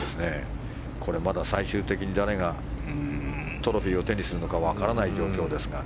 これ、最終的に誰がトロフィーを手にするかわからない状況ですが。